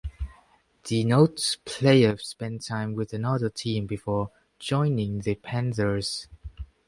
Denotes player spent time with another team before joining the Panthers.